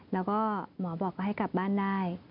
แล้วก็หมอบอกก็ให้กลับบ้านได้